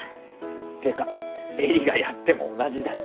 てか絵里がやっても同じだって。